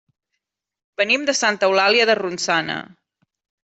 Venim de Santa Eulàlia de Ronçana.